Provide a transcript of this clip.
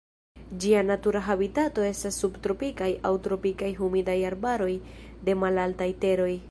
Ĝia natura habitato estas subtropikaj aŭ tropikaj humidaj arbaroj de malaltaj teroj.